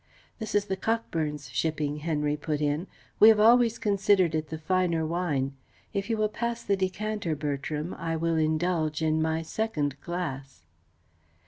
"This is the Cockburn's shipping," Henry put in. "We have always considered it the finer wine. If you will pass the decanter, Bertram, I will indulge in my second glass."